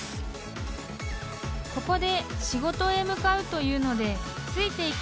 ［ここで仕事へ向かうというので］